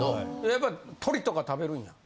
「やっぱり鶏とか食べんの？」